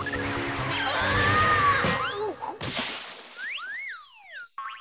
あっ！